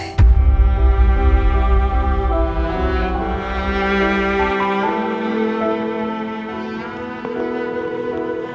tidak ada apa apa